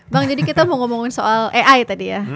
bang jadi kita mau ngomongin soal ai tadi ya